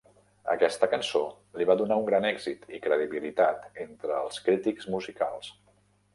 Aquesta cançó li va donar un gran èxit i credibilitat entre el crítics musicals.